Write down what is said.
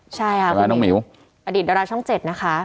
ใช่ค่ะคุณหมิวอดีตดาราช่อง๗นะคะ